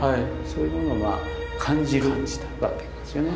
そういうものをまあ感じるわけなんですよね。